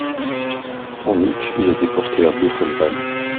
En août, il est déporté à Buchenwald.